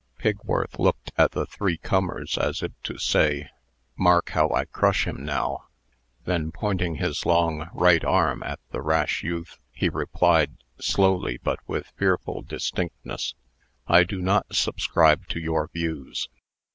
Pigworth looked at the three comers as if to say, "Mark how I crush him now." Then, pointing his long right arm at the rash youth, he replied, slowly, but with fearful distinctness: "I do not subscribe to your views.